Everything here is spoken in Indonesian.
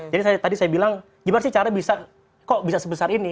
jadi tadi saya bilang gimana sih cara bisa sebesar ini